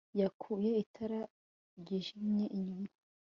Yakuye itara ryijimye inyuma